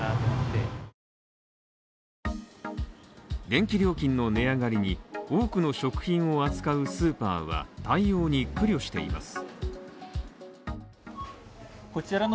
電気料金の値上がりに多くの食品を扱うスーパーは、対応に苦慮しています。